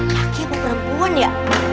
laki aku perempuan ya